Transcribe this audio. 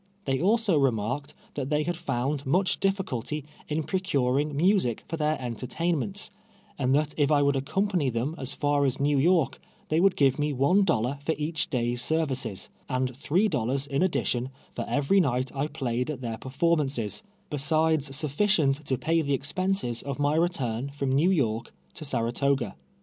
Tliey also remarked that they had found much dilliculty in procuring mu sic for their entertainments, and that if 1 would ac company them as tar as Xew York, they would give me one dollar for each day's services, and three dol lars in addition for every night I played at their per formances, besides sufficient to ])ay tlie expenses of my return from New York to Saratoga.